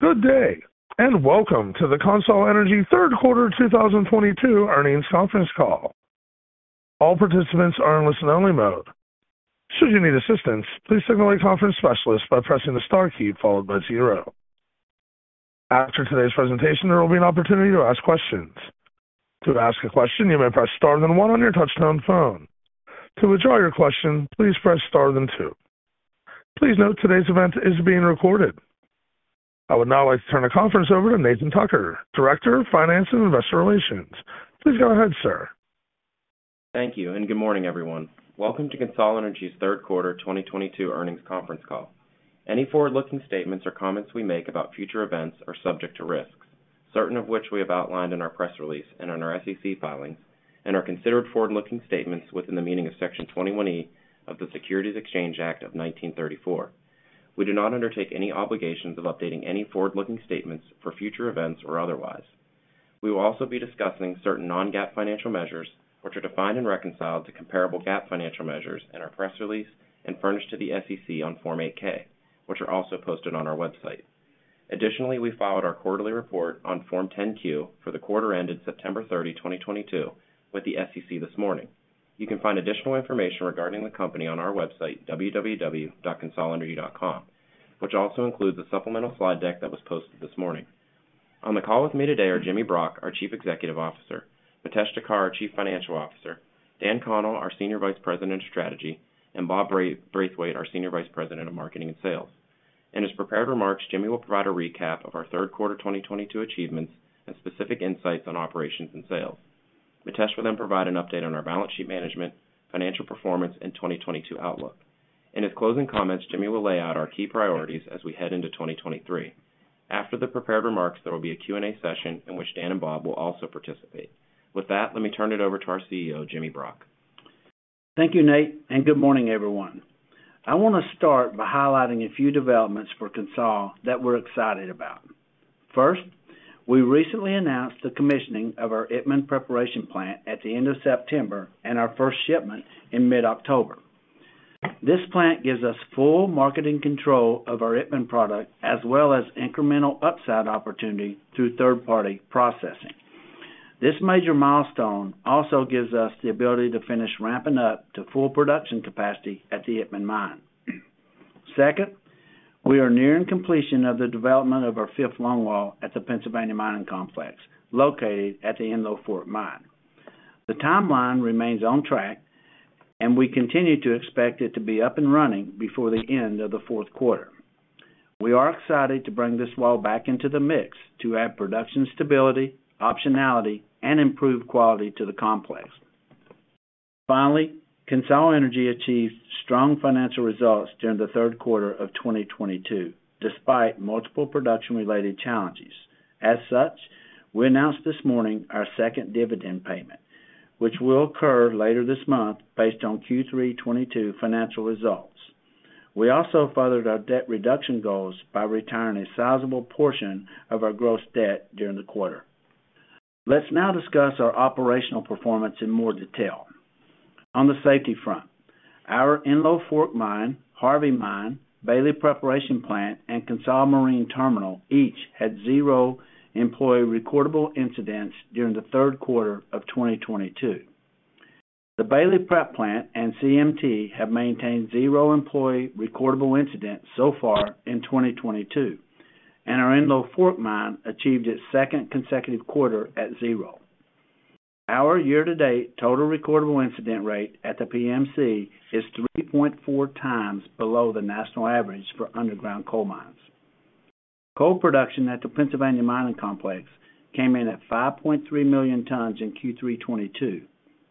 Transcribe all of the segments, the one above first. Good day, and welcome to the CONSOL Energy Q3 2022 earnings conference call. All participants are in listen-only mode. Should you need assistance, please signal a conference specialist by pressing the star key followed by zero. After today's presentation, there will be an opportunity to ask questions. To ask a question, you may press star then one on your touch-tone phone. To withdraw your question, please press star then two. Please note today's event is being recorded. I would now like to turn the conference over to Nathan Tucker, Director of Finance and Investor Relations. Please go ahead, sir. Thank you, and good morning, everyone. Welcome to CONSOL Energy's Q3 2022 earnings conference call. Any forward-looking statements or comments we make about future events are subject to risks, certain of which we have outlined in our press release and in our SEC filings and are considered forward-looking statements within the meaning of Section 21E of the Securities Exchange Act of 1934. We do not undertake any obligations of updating any forward-looking statements for future events or otherwise. We will also be discussing certain non-GAAP financial measures, which are defined and reconciled to comparable GAAP financial measures in our press release and furnished to the SEC on Form 8-K, which are also posted on our website. Additionally, we filed our quarterly report on Form 10-Q for the quarter ended September 30, 2022 with the SEC this morning. You can find additional information regarding the company on our website, www.consolenergy.com, which also includes a supplemental slide deck that was posted this morning. On the call with me today are Jimmy Brock, our Chief Executive Officer, Mitesh Thakkar, our Chief Financial Officer, Dan Connell, our Senior Vice President of Strategy, and Bob Braithwaite, our Senior Vice President of Marketing and Sales. In his prepared remarks, Jimmy will provide a recap of our Q3 2022 achievements and specific insights on operations and sales. Mitesh will then provide an update on our balance sheet management, financial performance, and 2022 outlook. In his closing comments, Jimmy will lay out our key priorities as we head into 2023. After the prepared remarks, there will be a Q&A session in which Dan and Bob will also participate. With that, let me turn it over to our CEO, Jimmy Brock. Thank you, Nate, and good morning, everyone. I want to start by highlighting a few developments for CONSOL that we're excited about. First, we recently announced the commissioning of our Itmann preparation plant at the end of September and our first shipment in mid-October. This plant gives us full marketing control of our Itmann product as well as incremental upside opportunity through third-party processing. This major milestone also gives us the ability to finish ramping up to full production capacity at the Itmann mine. Second, we are nearing completion of the development of our fifth longwall at the Pennsylvania Mining Complex, located at the Enlow Fork Mine. The timeline remains on track, and we continue to expect it to be up and running before the end of the Q4. We are excited to bring this well back into the mix to add production stability, optionality, and improved quality to the complex. Finally, CONSOL Energy achieved strong financial results during the Q3 of 2022, despite multiple production-related challenges. As such, we announced this morning our second dividend payment, which will occur later this month based on Q3 2022 financial results. We also furthered our debt reduction goals by retiring a sizable portion of our gross debt during the quarter. Let's now discuss our operational performance in more detail. On the safety front, our Enlow Fork Mine, Harvey Mine, Bailey Preparation Plant, and CONSOL Marine Terminal each had 0 employee recordable incidents during the Q3 of 2022. The Bailey Prep Plant and CMT have maintained 0 employee recordable incidents so far in 2022, and our Enlow Fork Mine achieved its second consecutive quarter at 0. Our year-to-date total recordable incident rate at the PMC is 3.4 times below the national average for underground coal mines. Coal production at the Pennsylvania Mining Complex came in at 5.3 million tons in Q3 2022,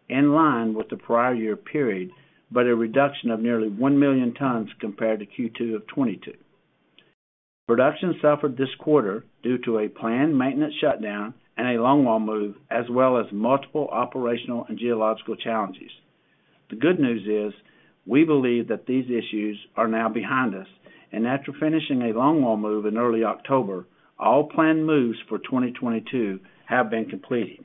in line with the prior year period, but a reduction of nearly 1 million tons compared to Q2 2022. Production suffered this quarter due to a planned maintenance shutdown and a longwall move, as well as multiple operational and geological challenges. The good news is we believe that these issues are now behind us, and after finishing a longwall move in early October, all planned moves for 2022 have been completed.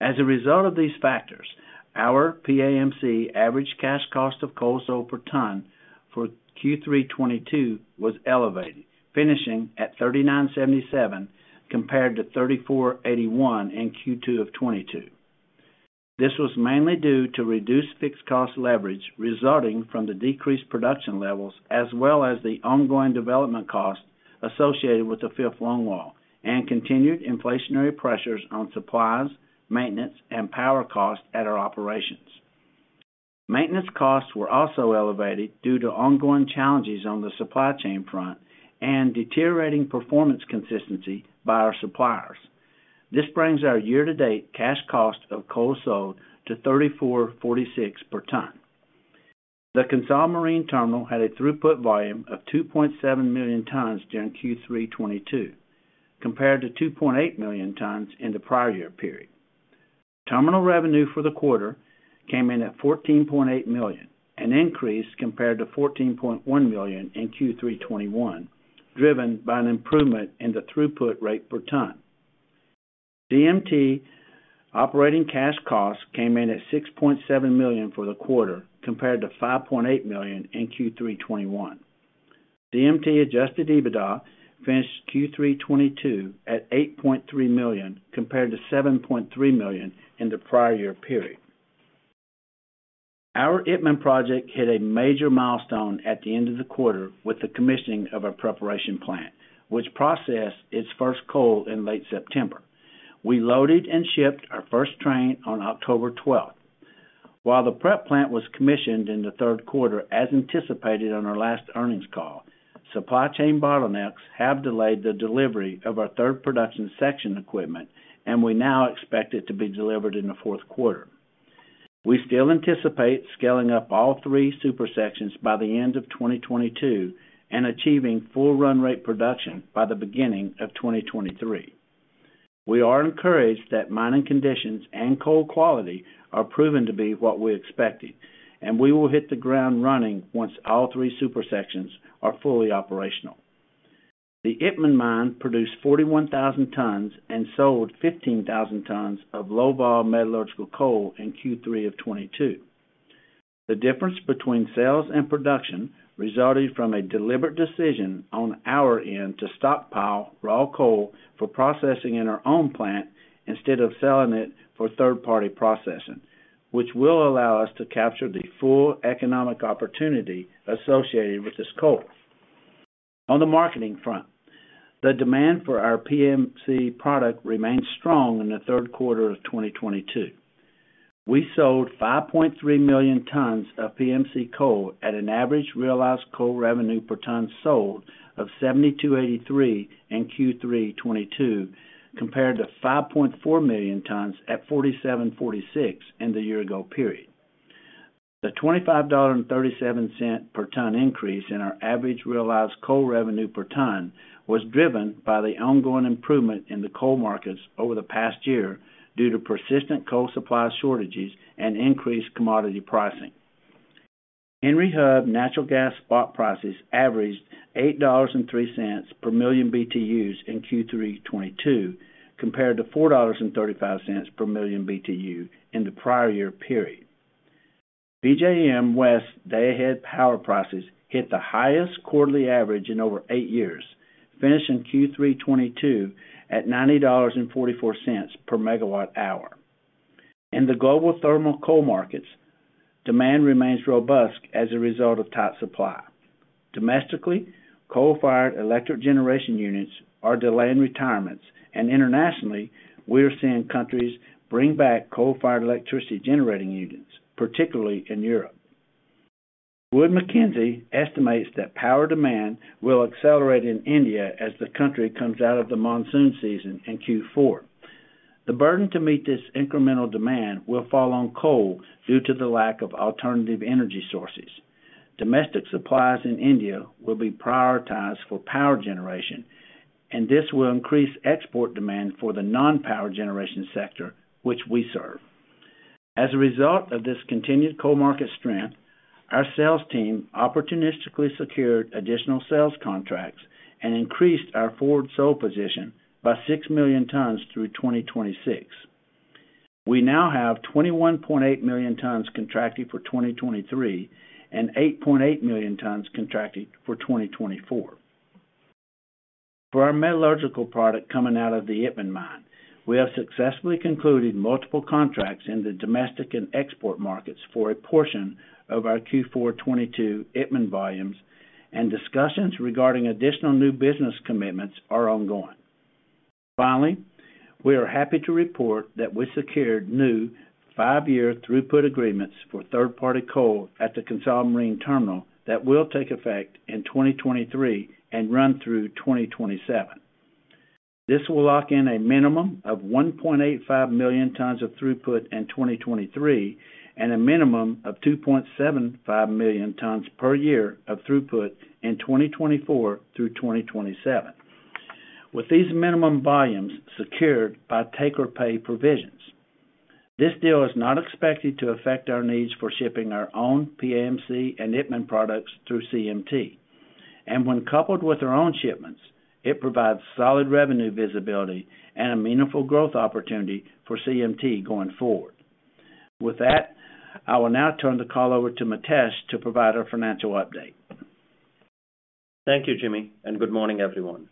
As a result of these factors, our PMC average cash cost of coal sold per ton for Q3 2022 was elevated, finishing at $39.77 compared to $34.81 in Q2 2022. This was mainly due to reduced fixed cost leverage resulting from the decreased production levels as well as the ongoing development costs associated with the fifth longwall and continued inflationary pressures on supplies, maintenance, and power costs at our operations. Maintenance costs were also elevated due to ongoing challenges on the supply chain front and deteriorating performance consistency by our suppliers. This brings our year-to-date cash cost of coal sold to $34.46 per ton. The CONSOL Marine Terminal had a throughput volume of 2.7 million tons during Q3 2022, compared to 2.8 million tons in the prior year period. Terminal revenue for the quarter came in at $14.8 million, an increase compared to $14.1 million in Q3 2021, driven by an improvement in the throughput rate per ton. CMT operating cash costs came in at $6.7 million for the quarter, compared to $5.8 million in Q3 2021. CMT adjusted EBITDA finished Q3 2022 at $8.3 million, compared to $7.3 million in the prior year period. Our Itmann project hit a major milestone at the end of the quarter with the commissioning of our preparation plant, which processed its first coal in late September. We loaded and shipped our first train on October 12fth. While the prep plant was commissioned in the Q3 as anticipated on our last earnings call, supply chain bottlenecks have delayed the delivery of our third production section equipment, and we now expect it to be delivered in the Q4. We still anticipate scaling up all 3 super sections by the end of 2022 and achieving full run rate production by the beginning of 2023. We are encouraged that mining conditions and coal quality are proven to be what we expected, and we will hit the ground running once all 3 super sections are fully operational. The Itmann mine produced 41,000 tons and sold 15,000 tons of low-volatile metallurgical coal in Q3 of 2022. The difference between sales and production resulted from a deliberate decision on our end to stockpile raw coal for processing in our own plant instead of selling it for third-party processing, which will allow us to capture the full economic opportunity associated with this coal. On the marketing front, the demand for our PMC product remained strong in the Q3 of 2022. We sold 5.3 million tons of PMC coal at an average realized coal revenue per ton sold of $72.83 in Q3 2022, compared to 5.4 million tons at $47.46 in the year ago period. The $25.37 per ton increase in our average realized coal revenue per ton was driven by the ongoing improvement in the coal markets over the past year due to persistent coal supply shortages and increased commodity pricing. Henry Hub natural gas spot prices averaged $8.03 per million BTUs in Q3 2022, compared to $4.35 per million BTU in the prior year period. PJM West day ahead power prices hit the highest quarterly average in over 8 years, finishing Q3 2022 at $94.44 per megawatt hour. In the global thermal coal markets, demand remains robust as a result of tight supply. Domestically, coal-fired electric generation units are delaying retirements, and internationally, we are seeing countries bring back coal-fired electricity generating units, particularly in Europe. Wood Mackenzie estimates that power demand will accelerate in India as the country comes out of the monsoon season in Q4. The burden to meet this incremental demand will fall on coal due to the lack of alternative energy sources. Domestic supplies in India will be prioritized for power generation, and this will increase export demand for the non-power generation sector, which we serve. As a result of this continued coal market strength, our sales team opportunistically secured additional sales contracts and increased our forward sold position by 6 million tons through 2026. We now have 21.8 million tons contracted for 2023 and 8.8 million tons contracted for 2024. For our metallurgical product coming out of the Itmann Mine, we have successfully concluded multiple contracts in the domestic and export markets for a portion of our Q4 2022 Itmann volumes and discussions regarding additional new business commitments are ongoing. Finally, we are happy to report that we secured new 5-year throughput agreements for third-party coal at the CONSOL Marine Terminal that will take effect in 2023 and run through 2027. This will lock in a minimum of 1.85 million tons of throughput in 2023 and a minimum of 2.75 million tons per year of throughput in 2024 through 2027. With these minimum volumes secured by take-or-pay provisions. This deal is not expected to affect our needs for shipping our own PAMC and Itmann products through CMT. When coupled with our own shipments, it provides solid revenue visibility and a meaningful growth opportunity for CMT going forward. With that, I will now turn the call over to Mitesh to provide our financial update. Thank you, Jimmy, and good morning, everyone.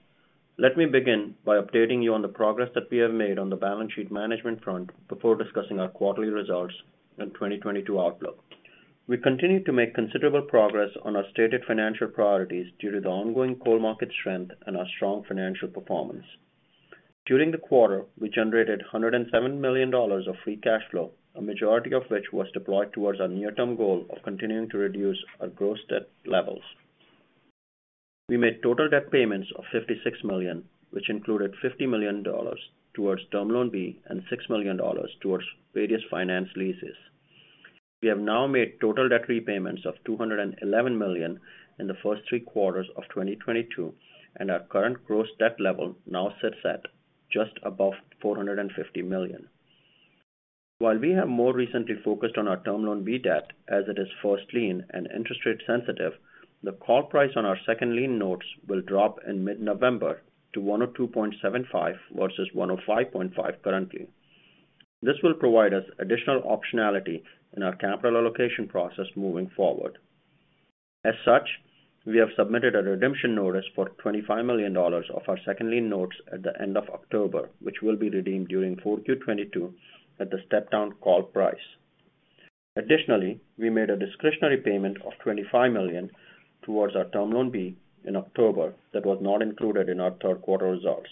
Let me begin by updating you on the progress that we have made on the balance sheet management front before discussing our quarterly results and 2022 outlook. We continue to make considerable progress on our stated financial priorities due to the ongoing coal market strength and our strong financial performance. During the quarter, we generated $107 million of free cash flow, a majority of which was deployed towards our near-term goal of continuing to reduce our gross debt levels. We made total debt payments of $56 million, which included $50 million towards Term Loan B and $6 million towards various finance leases. We have now made total debt repayments of $211 million in the first 3 quarters of 2022, and our current gross debt level now sits at just above $450 million. While we have more recently focused on our Term Loan B debt as it is first lien and interest rate sensitive, the call price on our second lien notes will drop in mid-November to 102.75 versus 105.5 currently. This will provide us additional optionality in our capital allocation process moving forward. As such, we have submitted a redemption notice for $25 million of our second lien notes at the end of October, which will be redeemed during 4Q 2022 at the step-down call price. Additionally, we made a discretionary payment of $25 million towards our Term Loan B in October that was not included in our Q3 results.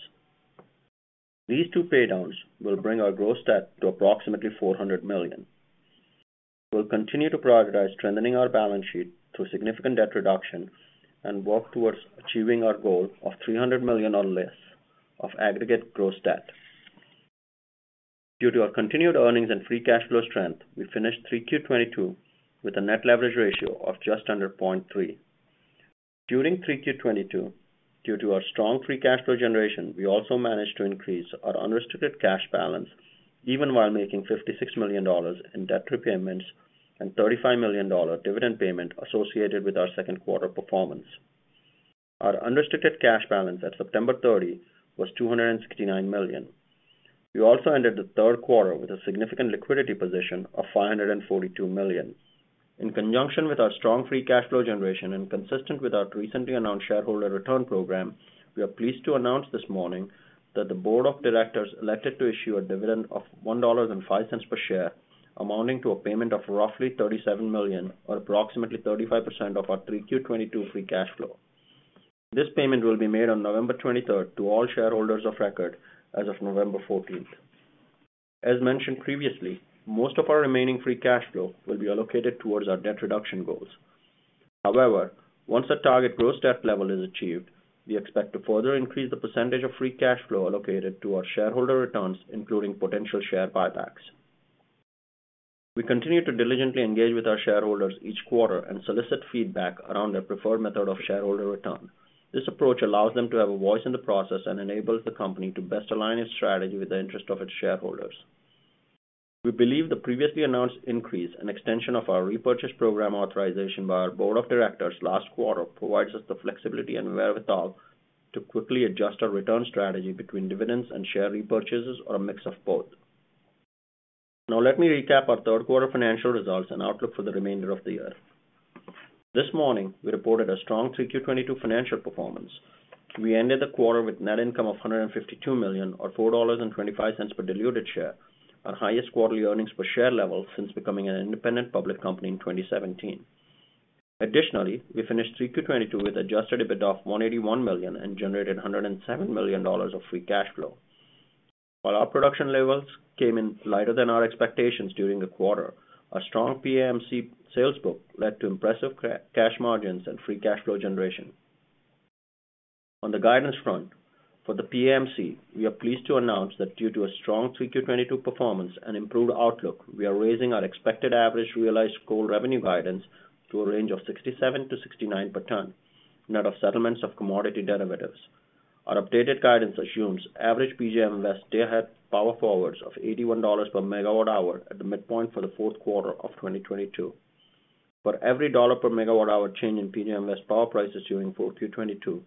These 2 paydowns will bring our gross debt to approximately $400 million. We'll continue to prioritize strengthening our balance sheet through significant debt reduction and work towards achieving our goal of $300 million or less of aggregate gross debt. Due to our continued earnings and free cash flow strength, we finished 3Q 2022 with a net leverage ratio of just under 0.3. During 3Q 2022, due to our strong free cash flow generation, we also managed to increase our unrestricted cash balance even while making $56 million in debt repayments and $35 million dividend payment associated with our Q2 performance. Our unrestricted cash balance at September 30 was $269 million. We ended the Q3 with a significant liquidity position of $542 million. In conjunction with our strong free cash flow generation and consistent with our recently announced shareholder return program, we are pleased to announce this morning that the board of directors elected to issue a dividend of $1.05 per share, amounting to a payment of roughly $37 million, or approximately 35% of our 3Q 2022 free cash flow. This payment will be made on November 23rd to all shareholders of record as of November 14th. As mentioned previously, most of our remaining free cash flow will be allocated towards our debt reduction goals. However, once the target gross debt level is achieved, we expect to further increase the percentage of free cash flow allocated to our shareholder returns, including potential share buybacks. We continue to diligently engage with our shareholders each quarter and solicit feedback around their preferred method of shareholder return. This approach allows them to have a voice in the process and enables the company to best align its strategy with the interest of its shareholders. We believe the previously announced increase and extension of our repurchase program authorization by our board of directors last quarter provides us the flexibility and wherewithal to quickly adjust our return strategy between dividends and share repurchases or a mix of both. Now let me recap our Q3 financial results and outlook for the remainder of the year. This morning, we reported a strong 3Q 2022 financial performance. We ended the quarter with net income of $152 million or $4.25 per diluted share, our highest quarterly earnings per share level since becoming an independent public company in 2017. Additionally, we finished 3Q 2022 with adjusted EBITDA of $181 million and generated $107 million of free cash flow. While our production levels came in lighter than our expectations during the quarter, our strong PAMC sales book led to impressive cash margins and free cash flow generation. On the guidance front, for the PAMC, we are pleased to announce that due to a strong 3Q 2022 performance and improved outlook, we are raising our expected average realized coal revenue guidance to a range of $67 to $69 per ton, net of settlements of commodity derivatives. Our updated guidance assumes average PJM West day-ahead power forwards of $81 per megawatt hour at the midpoint for the Q4 of 2022. For every $1 per megawatt hour change in PJM West power prices during 4Q 2022,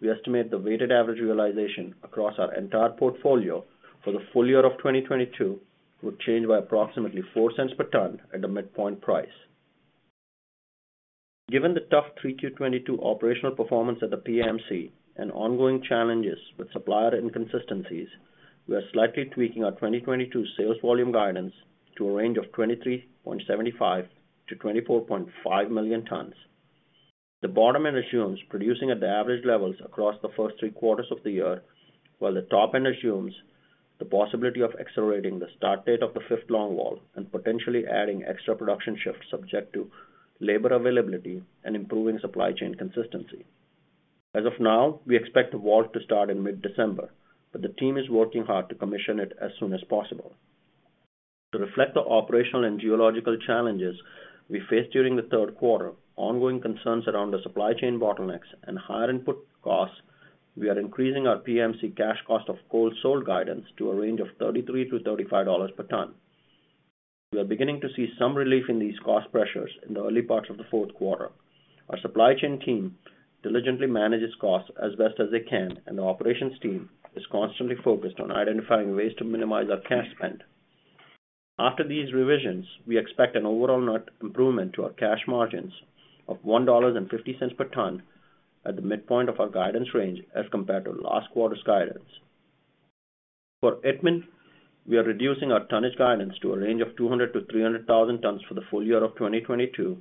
we estimate the weighted average realization across our entire portfolio for the full year of 2022 would change by approximately $0.04 per ton at the midpoint price. Given the tough 3Q 2022 operational performance at the PAMC and ongoing challenges with supplier inconsistencies, we are slightly tweaking our 2022 sales volume guidance to a range of 23.75-24.5 million tons. The bottom end assumes producing at the average levels across the first 3 quarters of the year, while the top end assumes the possibility of accelerating the start date of the fifth longwall and potentially adding extra production shifts subject to labor availability and improving supply chain consistency. As of now, we expect the wall to start in mid-December, but the team is working hard to commission it as soon as possible. To reflect the operational and geological challenges we faced during the Q3, ongoing concerns around the supply chain bottlenecks and higher input costs, we are increasing our PAMC cash cost of coal sold guidance to a range of $33 to $35 per ton. We are beginning to see some relief in these cost pressures in the early part of the Q4. Our supply chain team diligently manages costs as best as they can, and the operations team is constantly focused on identifying ways to minimize our cash spend. After these revisions, we expect an overall net improvement to our cash margins of $1.50 per ton at the midpoint of our guidance range as compared to last quarter's guidance. For Itmann, we are reducing our tonnage guidance to a range of 200,000-300,000 tons for the full year of 2022,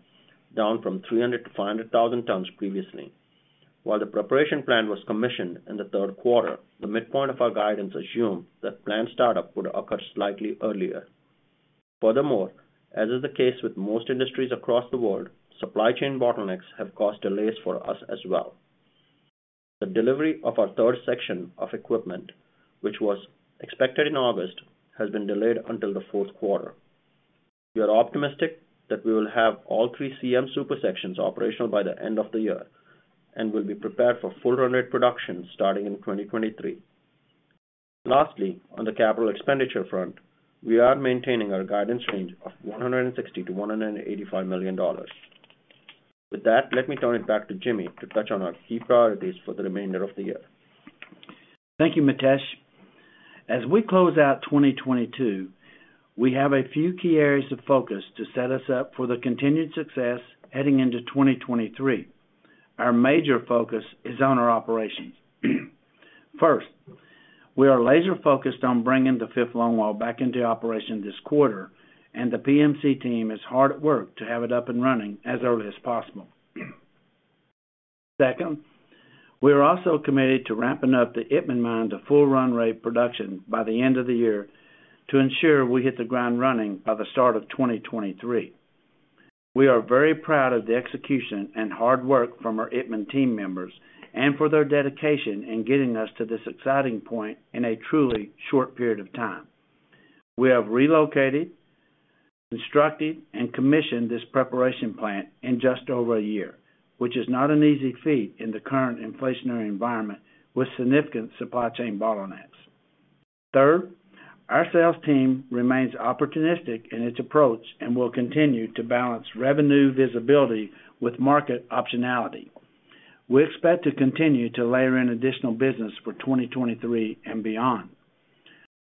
down from 300,000-500,000 tons previously. While the preparation plan was commissioned in the Q3, the midpoint of our guidance assumed that plant startup would occur slightly earlier. Furthermore, as is the case with most industries across the world, supply chain bottlenecks have caused delays for us as well. The delivery of our third section of equipment, which was expected in August, has been delayed until the Q4. We are optimistic that we will have all 3 CM super-sections operational by the end of the year and will be prepared for full run rate production starting in 2023. Lastly, on the capital expenditure front, we are maintaining our guidance range of $160 million to $185 million. With that, let me turn it back to Jimmy to touch on our key priorities for the remainder of the year. Thank you, Mitesh. As we close out 2022, we have a few key areas of focus to set us up for the continued success heading into 2023. Our major focus is on our operations. First, we are laser-focused on bringing the fifth longwall back into operation this quarter, and the PMC team is hard at work to have it up and running as early as possible. Second, we are also committed to ramping up the Itmann mine to full run rate production by the end of the year to ensure we hit the ground running by the start of 2023. We are very proud of the execution and hard work from our Itmann team members and for their dedication in getting us to this exciting point in a truly short period of time. We have relocated, constructed, and commissioned this preparation plant in just over a year, which is not an easy feat in the current inflationary environment with significant supply chain bottlenecks. Third, our sales team remains opportunistic in its approach and will continue to balance revenue visibility with market optionality. We expect to continue to layer in additional business for 2023 and beyond.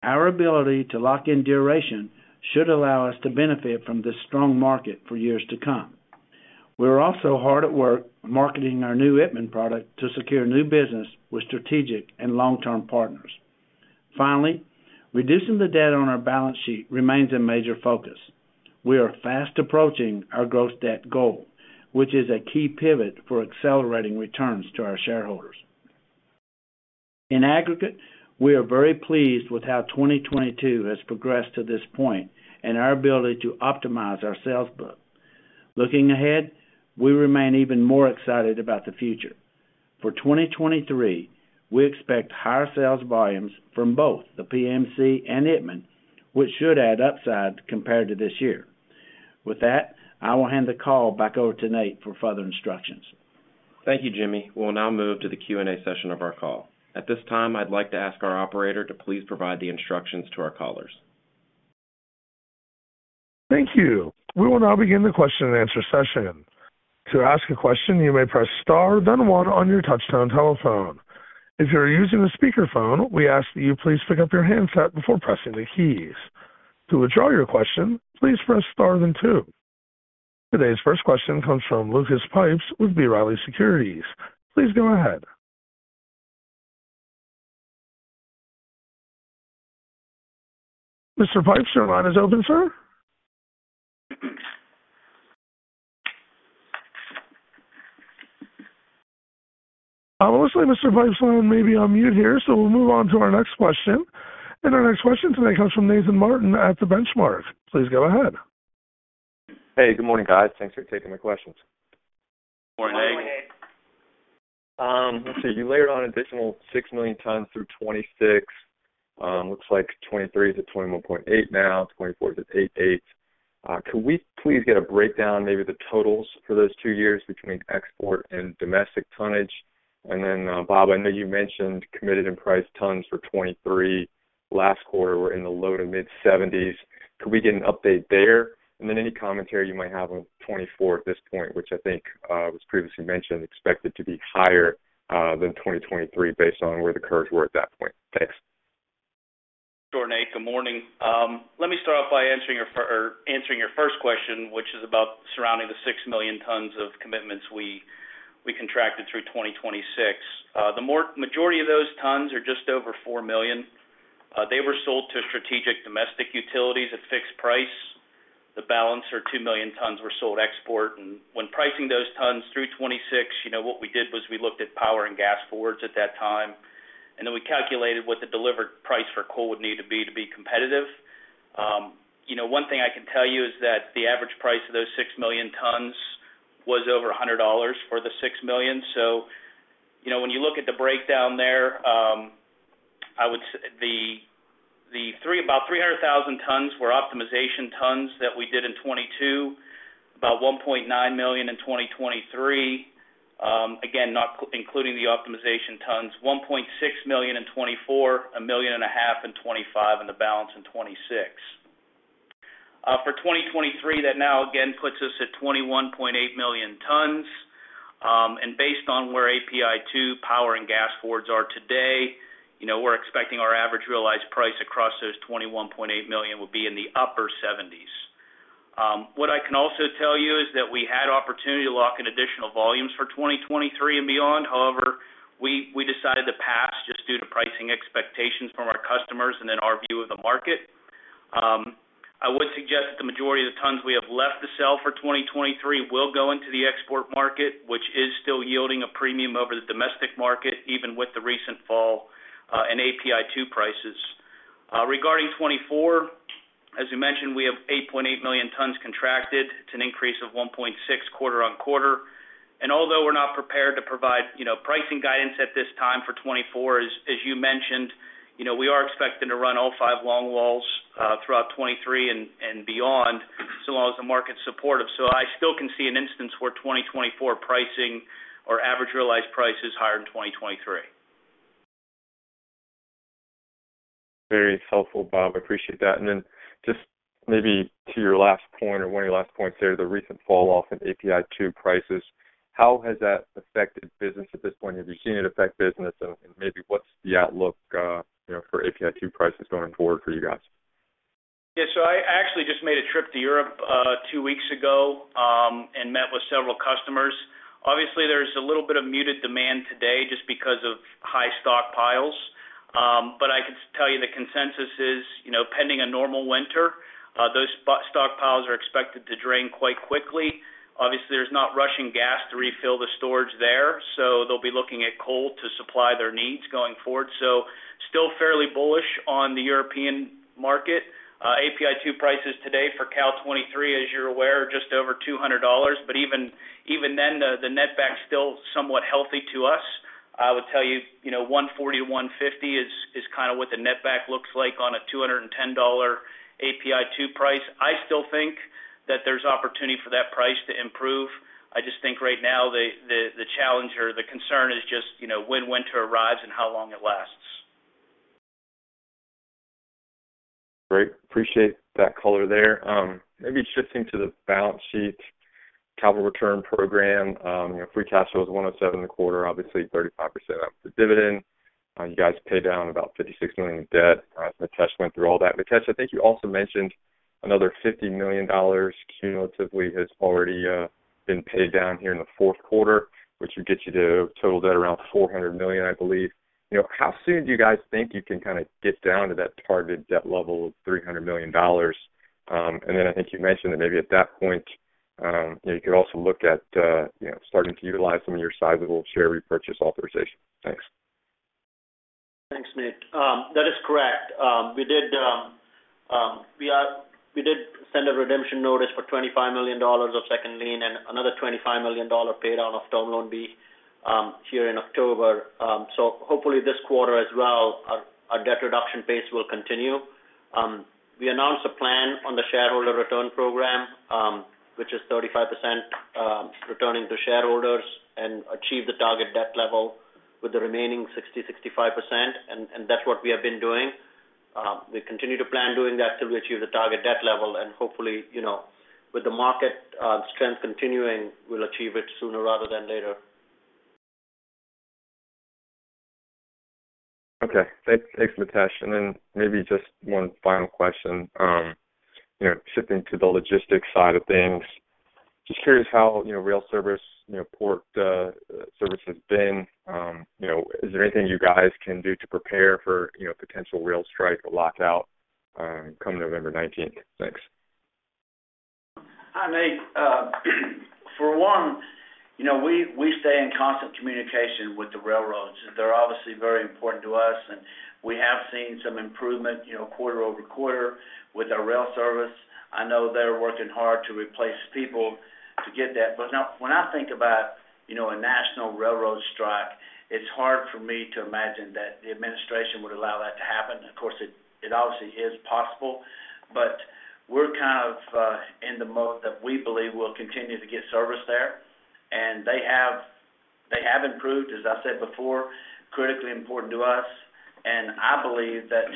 Our ability to lock in duration should allow us to benefit from this strong market for years to come. We are also hard at work marketing our new Itmann product to secure new business with strategic and long-term partners. Finally, reducing the debt on our balance sheet remains a major focus. We are fast approaching our gross debt goal, which is a key pivot for accelerating returns to our shareholders. In aggregate, we are very pleased with how 2022 has progressed to this point and our ability to optimize our sales book. Looking ahead, we remain even more excited about the future. For 2023, we expect higher sales volumes from both the PMC and Itmann, which should add upside compared to this year. With that, I will hand the call back over to Nate for further instructions. Thank you, Jimmy. We'll now move to the Q&A session of our call. At this time, I'd like to ask our operator to please provide the instructions to our callers. Thank you. We will now begin the question and answer session. To ask a question, you may press star, then one on your touchtone telephone. If you are using a speaker phone, we ask that you please pick up your handset before pressing the keys. To withdraw your question, please press star then two. Today's first question comes from Lucas Pipes with B. Riley Securities. Please go ahead. Mr. Pipes, your line is open, sir. Looks like Mr. Pipes' line may be on mute here, so we'll move on to our next question. Our next question today comes from Nathan Martin at The Benchmark. Please go ahead. Hey, good morning, guys. Thanks for taking my questions. Good morning, Nate. Let's see. You layered on an additional 6 million tons through 2026. Looks like 2023 is at 21.8 now. 2024 is at 88. Can we please get a breakdown, maybe the totals for those 2 years between export and domestic tonnage? Bob, I know you mentioned committed and priced tons for 2023. Last quarter were in the low to mid-70s. Could we get an update there? Any commentary you might have on 2024 at this point, which I think was previously mentioned, expected to be higher than 2023 based on where the curves were at that point. Thanks. Sure, Nate. Good morning. Let me start off by answering your first question, which is about regarding the 6 million tons of commitments we contracted through 2026. The majority of those tons are just over 4 million. They were sold to strategic domestic utilities at fixed price. The balance of 2 million tons were sold export. When pricing those tons through 2026, you know, what we did was we looked at power and gas forwards at that time, and then we calculated what the delivered price for coal would need to be to be competitive. You know, one thing I can tell you is that the average price of those 6 million tons was over $100 for the 6 million. You know, when you look at the breakdown there, about 300,000 tons were optimization tons that we did in 2022, about 1.9 million in 2023. Again, not including the optimization tons. 1.6 million in 2024, 1.5 million in 2025, and the balance in 2026. For 2023, that now again puts us at 21.8 million tons. Based on where API2 power and gas forwards are today, you know, we're expecting our average realized price across those 21.8 million will be in the upper 70s. What I can also tell you is that we had opportunity to lock in additional volumes for 2023 and beyond. However, we decided to pass just due to pricing expectations from our customers and then our view of the market. I would suggest that the majority of the tons we have left to sell for 2023 will go into the export market, which is still yielding a premium over the domestic market, even with the recent fall in API2 prices. Regarding 2024, as you mentioned, we have 8.8 million tons contracted. It's an increase of 1.6 quarter-on-quarter. Although we're not prepared to provide, you know, pricing guidance at this time for 2024, as you mentioned, you know, we are expecting to run all 5 longwalls throughout 2023 and beyond so long as the market's supportive. I still can see an instance where 2024 pricing or average realized price is higher than 2023. Very helpful, Bob. Appreciate that. Just maybe to your last point or one of your last points there, the recent falloff in API 2 prices, how has that affected business at this point? Have you seen it affect business? Maybe what's the outlook, you know, for API 2 prices going forward for you guys? Yeah. I actually just made a trip to Europe 2 weeks ago and met with several customers. Obviously, there's a little bit of muted demand today just because of high stockpiles. I can tell you the consensus is, you know, pending a normal winter, those stockpiles are expected to drain quite quickly. Obviously, there's not rushing gas to refill the storage there, so they'll be looking at coal to supply their needs going forward. Still fairly bullish on the European market. API2 prices today for Cal '23, as you're aware, just over $200. Even then, the netback's still somewhat healthy to us. I would tell you know, $140, $150 is kind of what the netback looks like on a $210 API2 price. I still think that there's opportunity for that price to improve. I just think right now the challenge or the concern is just, you know, when winter arrives and how long it lasts. Great. Appreciate that color there. Maybe shifting to the balance sheet capital return program. You know, free cash flow is $107 million a quarter, obviously 35% of the dividend. You guys paid down about $56 million in debt. Mitesh went through all that. Mitesh, I think you also mentioned another $50 million dollars cumulatively has already been paid down here in the Q4, which would get you to a total debt around $400 million, I believe. You know, how soon do you guys think you can kind of get down to that targeted debt level of $300 million dollars? And then I think you mentioned that maybe at that point, you know, you could also look at, you know, starting to utilize some of your sizable share repurchase authorization. Thanks. Thanks, Nate. That is correct. We did send a redemption notice for $25 million of second lien and another $25 million paid out of Term Loan B here in October. Hopefully this quarter as well, our debt reduction pace will continue. We announced a plan on the shareholder return program, which is 35%, returning to shareholders and achieve the target debt level with the remaining 65%. That's what we have been doing. We continue to plan doing that till we achieve the target debt level. Hopefully, you know, with the market strength continuing, we'll achieve it sooner rather than later. Okay. Thanks, Mitesh. Maybe just 1 final question. You know, shifting to the logistics side of things. Just curious how, you know, rail service, you know, port service has been. You know, is there anything you guys can do to prepare for, you know, potential rail strike or lockout come November 19th? Thanks. Hi, Nate. For 1, you know, we stay in constant communication with the railroads. They're obviously very important to us, and we have seen some improvement, you know, quarter-over-quarter with our rail service. I know they're working hard to replace people to get that. Now when I think about, you know, a national railroad strike, it's hard for me to imagine that the administration would allow that to happen. Of course, it obviously is possible, but we're kind of in the mode that we believe we'll continue to get service there. They have improved, as I said before, critically important to us. I believe that,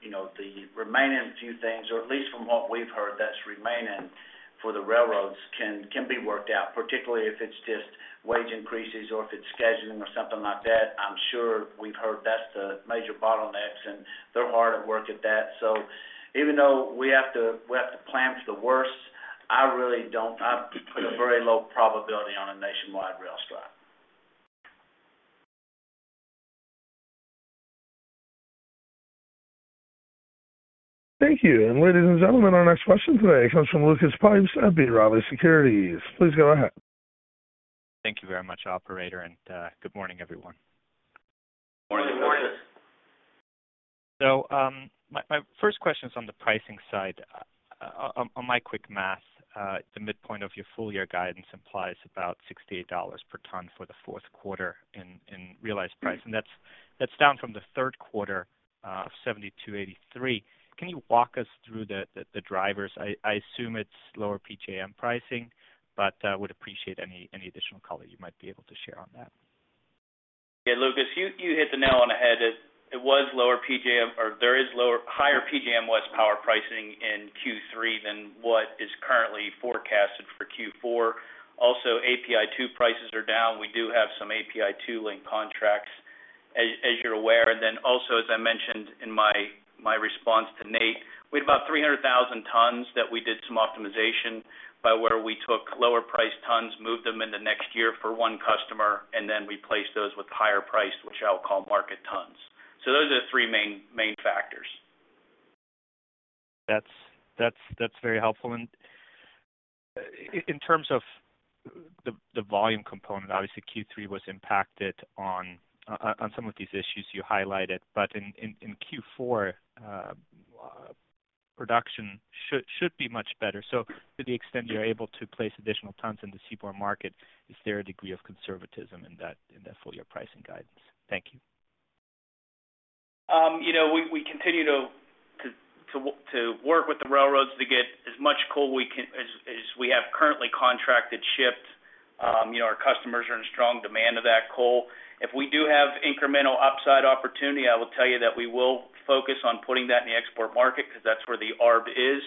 you know, the remaining few things, or at least from what we've heard that's remaining for the railroads can be worked out, particularly if it's just wage increases or if it's scheduling or something like that. I'm sure we've heard that's the major bottlenecks, and they're hard at work at that. Even though we have to plan for the worst, I really don't. I put a very low probability on a nationwide rail strike. Thank you. Ladies and gentlemen, our next question today comes from Lucas Pipes at B. Riley Securities. Please go ahead. Thank you very much, operator, and good morning, everyone. Morning. Morning. My first question is on the pricing side. On my quick math, the midpoint of your full year guidance implies about $68 per ton for the Q4 in realized price. That's down from the Q3 of $72.83. Can you walk us through the drivers? I assume it's lower PJM pricing, but would appreciate any additional color you might be able to share on that. Yeah, Lucas, you hit the nail on the head. It was higher PJM West power pricing in Q3 than what is currently forecasted for Q4. Also API2 prices are down. We do have some API2-linked contracts as you're aware. Also, as I mentioned in my response to Nate, we had about 300,000 tons that we did some optimization by where we took lower priced tons, moved them into next year for 1 customer, and then replaced those with higher priced, which I'll call market tons. Those are the 3 main factors. That's very helpful. In terms of the volume component, obviously Q3 was impacted on some of these issues you highlighted. In Q4, Production should be much better. To the extent you're able to place additional tons in the seaborne market, is there a degree of conservatism in that full year pricing guidance? Thank you. You know, we continue to work with the railroads to get as much coal as we can as we have currently contracted shipped. You know, our customers are in strong demand of that coal. If we do have incremental upside opportunity, I will tell you that we will focus on putting that in the export market because that's where the arb is.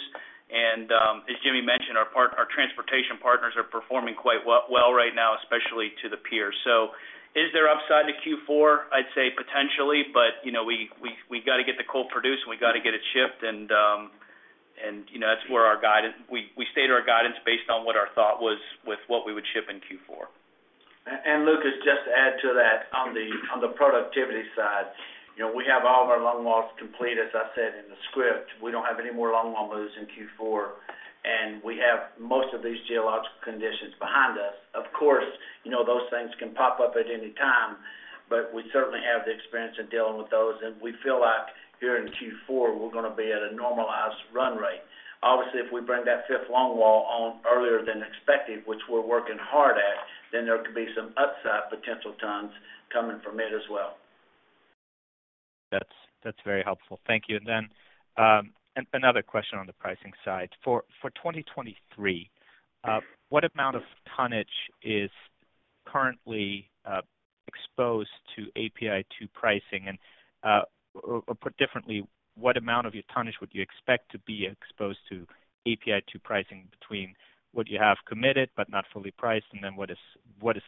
As Jimmy mentioned, our transportation partners are performing quite well right now, especially to the pier. Is there upside to Q4? I'd say potentially, but you know we got to get the coal produced, and we got to get it shipped, and you know, that's where our guidance. We stayed our guidance based on what our thought was with what we would ship in Q4. Lucas, just to add to that on the productivity side. You know, we have all of our longwalls complete, as I said in the script. We don't have any more longwall moves in Q4, and we have most of these geological conditions behind us. Of course, you know those things can pop up at any time, but we certainly have the experience in dealing with those. We feel like here in Q4, we're gonna be at a normalized run rate. Obviously, if we bring that fifth longwall on earlier than expected, which we're working hard at, then there could be some upside potential tons coming from it as well. That's very helpful. Thank you. Another question on the pricing side. For 2023, what amount of tonnage is currently exposed to API2 pricing? Or put differently, what amount of your tonnage would you expect to be exposed to API2 pricing between what you have committed but not fully priced, and what is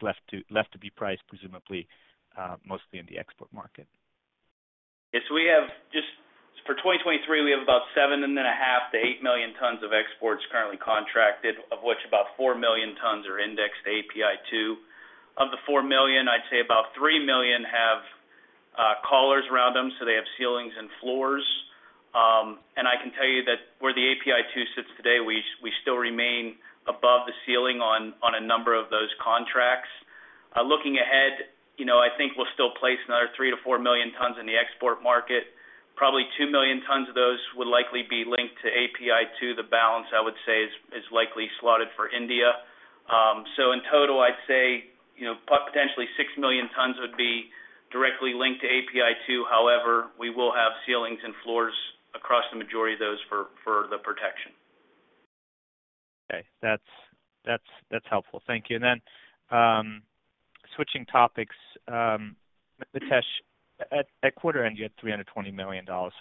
left to be priced, presumably mostly in the export market? Yes. For 2023, we have about 7.5-8 million tons of exports currently contracted, of which about 4 million tons are indexed to API2. Of the 4 million, I'd say about 3 million have collars around them, so they have ceilings and floors. I can tell you that where the API2 sits today, we still remain above the ceiling on a number of those contracts. Looking ahead, you know, I think we'll still place another 3-4 million tons in the export market. Probably 2 million tons of those would likely be linked to API2. The balance, I would say is likely slotted for India. In total, I'd say, you know, potentially 6 million tons would be directly linked to API2. However, we will have ceilings and floors across the majority of those for the protection. Okay. That's helpful. Thank you. Switching topics, Mitesh, at quarter end, you had $320 million of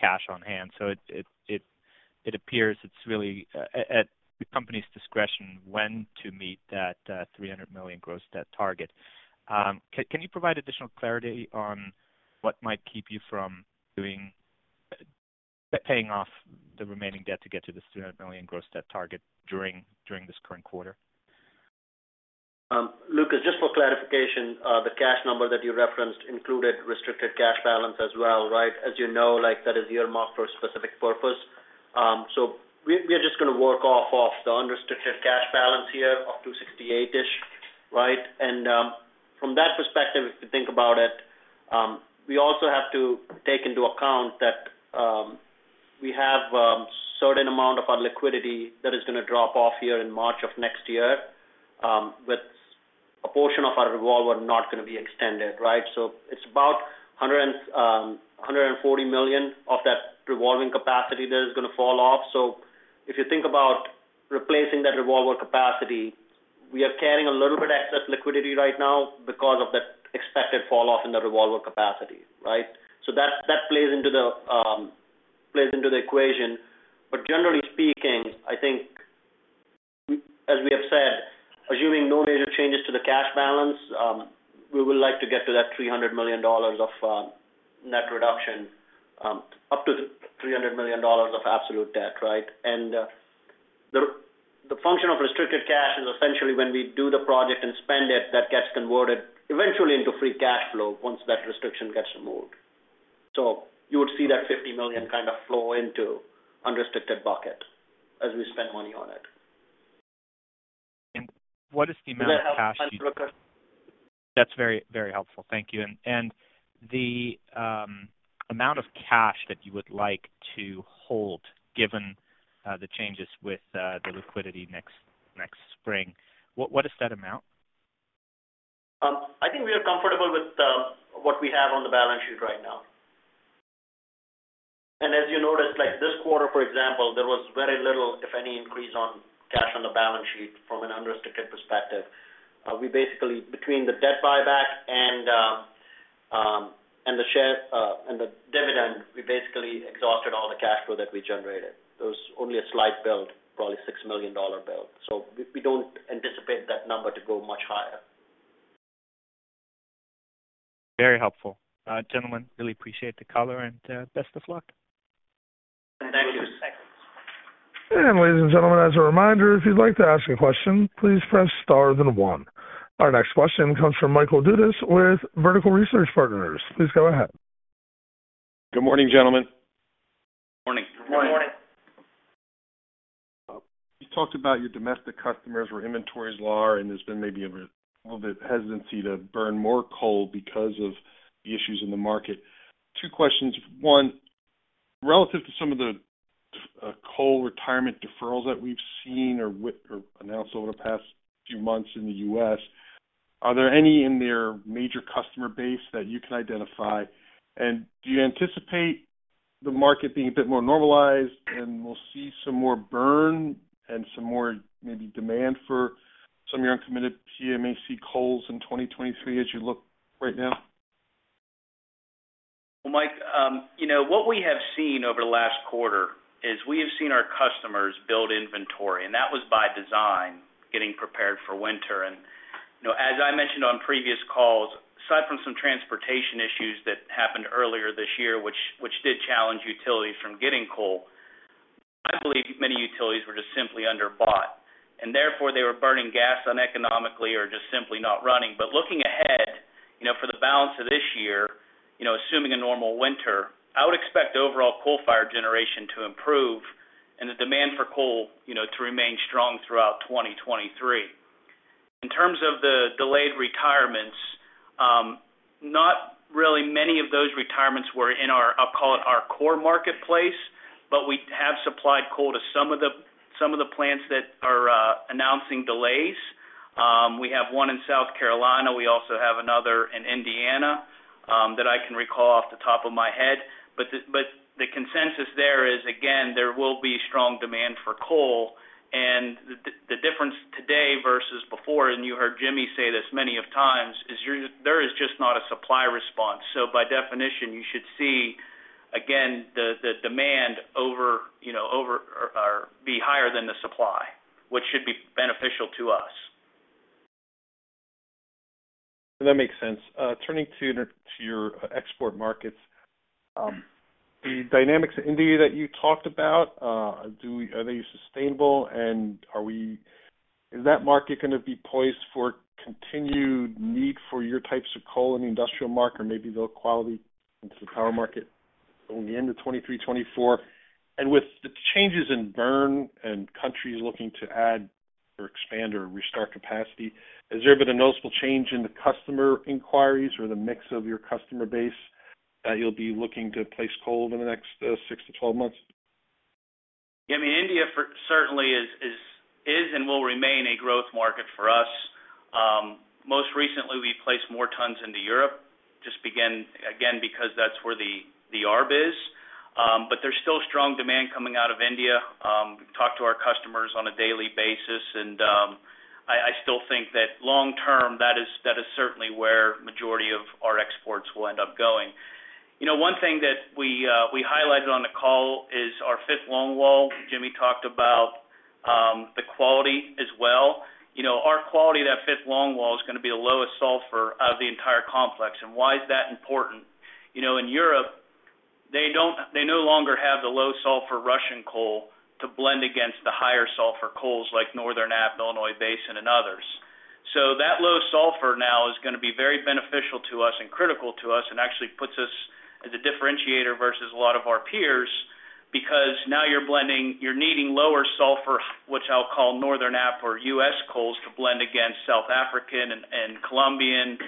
cash on hand. It appears it's really at the company's discretion when to meet that $300 million gross debt target. Can you provide additional clarity on what might keep you from paying off the remaining debt to get to this $300 million gross debt target during this current quarter? Lucas, just for clarification, the cash number that you referenced included restricted cash balance as well, right? As you know, like that is earmarked for a specific purpose. We are just gonna work off the unrestricted cash balance here of $268 million-ish, right? From that perspective, if you think about it, we also have to take into account that we have certain amount of our liquidity that is gonna drop off here in March of next year with a portion of our revolver not gonna be extended, right? It's about $140 million of that revolving capacity that is gonna fall off. If you think about replacing that revolver capacity, we are carrying a little bit excess liquidity right now because of that expected fall off in the revolver capacity, right? That plays into the equation. Generally speaking, I think as we have said, assuming no major changes to the cash balance, we would like to get to that $300 million of net reduction, up to $300 million of absolute debt, right? The function of restricted cash is essentially when we do the project and spend it, that gets converted eventually into free cash flow once that restriction gets removed. You would see that $50 million kind of flow into unrestricted bucket as we spend money on it. What is the amount of cash you- Does that help, Lucas? That's very, very helpful. Thank you. The amount of cash that you would like to hold given the changes with the liquidity next spring, what is that amount? I think we are comfortable with what we have on the balance sheet right now. As you noticed, like this quarter, for example, there was very little, if any, increase on cash on the balance sheet from an unrestricted perspective. We basically, between the debt buyback and the share and the dividend, we basically exhausted all the cash flow that we generated. There was only a slight build, probably $6 million build. We don't anticipate that number to go much higher. Very helpful. Gentlemen, really appreciate the color and best of luck. Thank you. Ladies and gentlemen, as a reminder, if you'd like to ask a question, please press star then one. Our next question comes from Michael Dudas with Vertical Research Partners. Please go ahead. Good morning, gentlemen. Morning. Good morning. You talked about your domestic customers where inventories are low, and there's been maybe a little bit hesitancy to burn more coal because of the issues in the market. 2 questions. 1, relative to some of the coal retirement deferrals that we've seen or announced over the past few months in the U.S., are there any in their major customer base that you can identify? Do you anticipate the market being a bit more normalized, and we'll see some more burn and some more maybe demand for some of your uncommitted PMAC coals in 2023 as you look right now? Well, Mike, you know, what we have seen over the last quarter is we have seen our customers build inventory, and that was by design, getting prepared for winter. You know, as I mentioned on previous calls, aside from some transportation issues that happened earlier this year, which did challenge utilities from getting coal, I believe many utilities were just simply under-bought, and therefore, they were burning gas uneconomically or just simply not running. Looking ahead, you know, for the balance of this year, you know, assuming a normal winter, I would expect overall coal-fired generation to improve and the demand for coal, you know, to remain strong throughout 2023. In terms of the delayed retirements, not really many of those retirements were in our, I'll call it our core marketplace, but we have supplied coal to some of the plants that are announcing delays. We have 1 in South Carolina. We also have another in Indiana that I can recall off the top of my head. The consensus there is, again, there will be strong demand for coal. The difference today versus before, and you heard Jimmy say this many times, is there is just not a supply response. By definition, you should see, again, the demand over, you know, over or be higher than the supply, which should be beneficial to us. That makes sense. Turning to your export markets. The dynamics of India that you talked about, are they sustainable? Is that market gonna be poised for continued need for your types of coal in the industrial market or maybe the quality into the power market going into 2023, 2024? With the changes in burn and countries looking to add or expand or restart capacity, has there been a noticeable change in the customer inquiries or the mix of your customer base that you'll be looking to place coal in the next 6 to 12 months? Yeah. I mean, India certainly is and will remain a growth market for us. Most recently, we placed more tons into Europe, again, because that's where the arb is. There's still strong demand coming out of India. Talk to our customers on a daily basis, and I still think that long term, that is certainly where majority of our exports will end up going. You know, 1 thing that we highlighted on the call is our fifth longwall. Jimmy talked about the quality as well. You know, our quality of that fifth longwall is gonna be the lowest sulfur of the entire complex. Why is that important? You know, in Europe, they no longer have the low sulfur Russian coal to blend against the higher sulfur coals like Northern Ap, Illinois Basin, and others. That low sulfur now is gonna be very beneficial to us and critical to us and actually puts us as a differentiator versus a lot of our peers because now you're needing lower sulfur, which I'll call Northern Ap or US coals to blend against South African and Colombian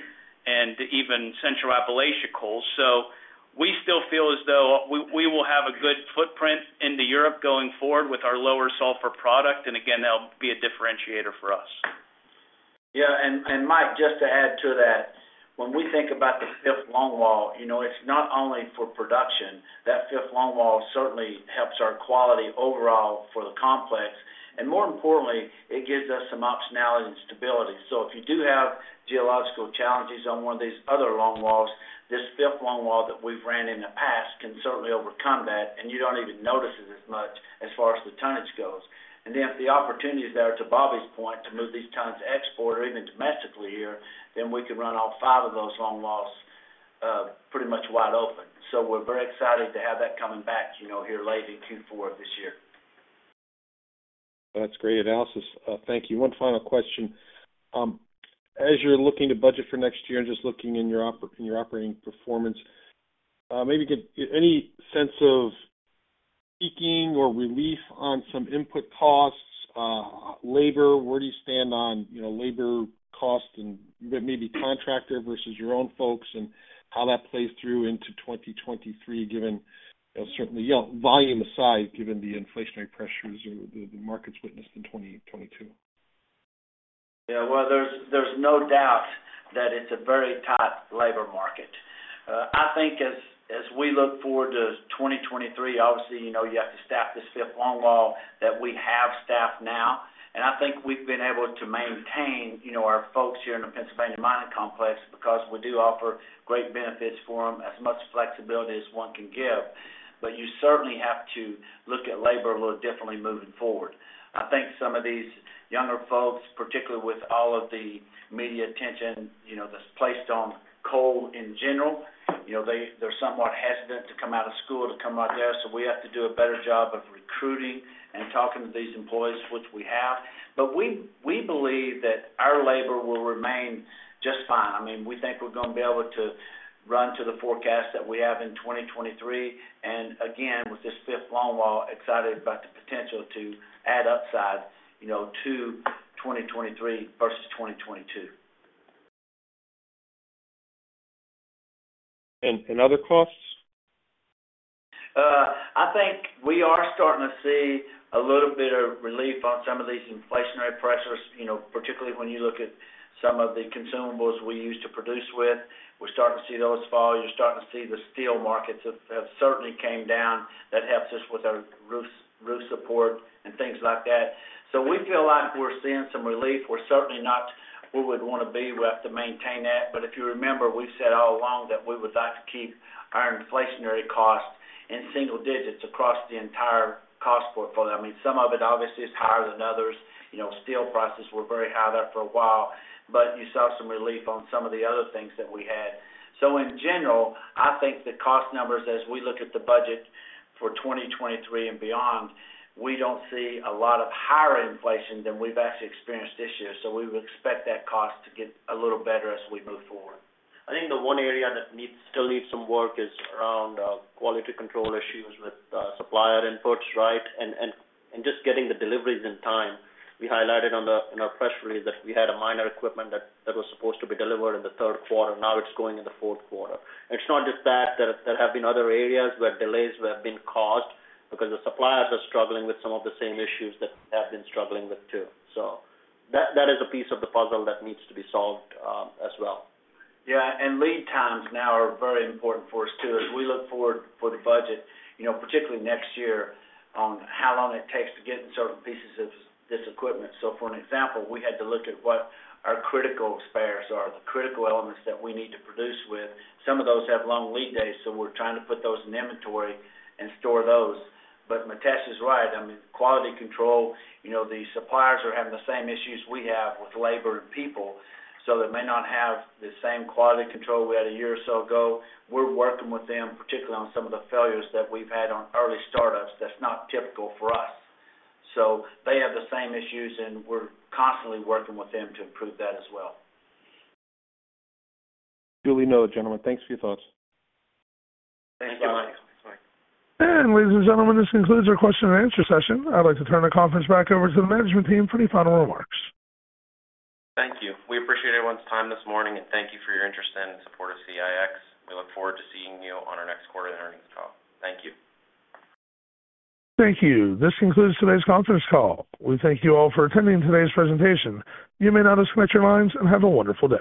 and even Central Appalachia coals. We still feel as though we will have a good footprint into Europe going forward with our lower sulfur product, and again, that'll be a differentiator for us. Yeah. Mike, just to add to that, when we think about the fifth longwall, you know, it's not only for production. That fifth longwall certainly helps our quality overall for the complex. More importantly, it gives us some optionality and stability. If you do have geological challenges on one of these other longwalls, this fifth longwall that we've ran in the past can certainly overcome that, and you don't even notice it as much as far as the tonnage goes. Then if the opportunity is there, to Bobby's point, to move these tons to export or even domestically here, we can run all 5 of those longwalls pretty much wide open. We're very excited to have that coming back, you know, here late in Q4 of this year. That's great analysis. Thank you. 1 final question. As you're looking to budget for next year and just looking in your operating performance, maybe give any sense of peaking or relief on some input costs, labor. Where do you stand on, you know, labor cost and maybe contractor versus your own folks and how that plays through into 2023, given, you know, certainly, you know, volume aside, given the inflationary pressures or the market's witnessed in 2022? Yeah. Well, there's no doubt that it's a very tight labor market. I think as we look forward to 2023, obviously, you know, you have to staff this fifth longwall that we have staffed now. I think we've been able to maintain, you know, our folks here in the Pennsylvania Mining Complex because we do offer great benefits for them, as much flexibility as 1 can give. You certainly have to look at labor a little differently moving forward. I think some of these younger folks, particularly with all of the media attention, you know, that's placed on coal in general, you know, they're somewhat hesitant to come out of school to come right there. We have to do a better job of recruiting and talking to these employees, which we have. We believe that our labor will remain just fine. I mean, we think we're gonna be able to run to the forecast that we have in 2023. Again, with this fifth longwall, excited about the potential to add upside, you know, to 2023 versus 2022. Other costs? I think we are starting to see a little bit of relief on some of these inflationary pressures, you know, particularly when you look at some of the consumables we use to produce with. We're starting to see those fall. You're starting to see the steel markets have certainly came down. That helps us with our roof support and things like that. We feel like we're seeing some relief. We're certainly not where we'd wanna be. We have to maintain that. If you remember, we said all along that we would like to keep our inflationary costs in single digits across the entire cost portfolio. I mean, some of it obviously is higher than others. You know, steel prices were very high there for a while, but you saw some relief on some of the other things that we had. In general, I think the cost numbers as we look at the budget for 2023 and beyond, we don't see a lot of higher inflation than we've actually experienced this year. We would expect that cost to get a little better as we move forward. I think the 1 area that still needs some work is around, quality control issues with, supplier inputs, right? Just getting the deliveries in time. We highlighted in our press release that we had a minor equipment that that was supposed to be delivered in the Q3, now it's going in the Q4. It's not just that. There have been other areas where delays were being caused because the suppliers are struggling with some of the same issues that we have been struggling with too. That is a piece of the puzzle that needs to be solved, as well. Yeah. Lead times now are very important for us too as we look forward for the budget, you know, particularly next year on how long it takes to get certain pieces of this equipment. For an example, we had to look at what our critical spares are, the critical elements that we need to produce with. Some of those have long lead days, so we're trying to put those in inventory and store those. Mitesh is right. I mean, quality control, you know, the suppliers are having the same issues we have with labor and people, so they may not have the same quality control we had a year or so ago. We're working with them, particularly on some of the failures that we've had on early startups. That's not typical for us. They have the same issues, and we're constantly working with them to improve that as well. Sure, you know, gentlemen. Thanks for your thoughts. Thanks, Mike. Thanks, Mike. Ladies and gentlemen, this concludes our question and answer session. I'd like to turn the conference back over to the management team for any final remarks. Thank you. We appreciate everyone's time this morning, and thank you for your interest and support of CEIX. We look forward to seeing you on our next quarter and earnings call. Thank you. Thank you. This concludes today's conference call. We thank you all for attending today's presentation. You may now disconnect your lines, and have a wonderful day.